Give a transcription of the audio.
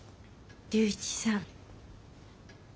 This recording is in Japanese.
龍一さん。